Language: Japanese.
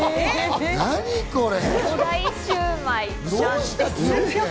何これ？